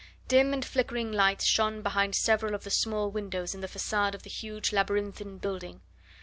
Dim and flickering lights shone behind several of the small windows in the facade of the huge labyrinthine building.